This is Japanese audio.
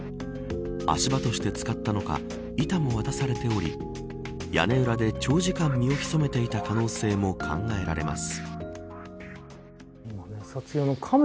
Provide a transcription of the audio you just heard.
足場として使ったのか板も渡されており屋根裏で長時間身を潜めていた可能性も考えられます。